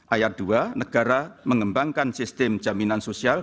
ayat dua negara mengembangkan sistem jaminan sosial